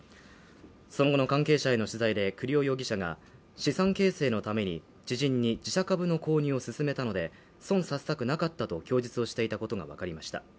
その後の関係者への取材で栗尾容疑者が資産形成のために、知人に自社株の購入を勧めたので損させたくなかったと供述していたことが分かりました。